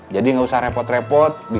yaudah jangan top nya